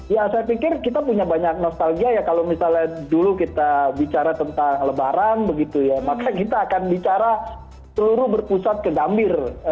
ya saya pikir kita punya banyak nostalgia ya kalau misalnya dulu kita bicara tentang lebaran begitu ya maka kita akan bicara seluruh berpusat ke gambir